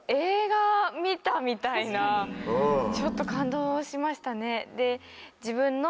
ちょっと感動しましたねで。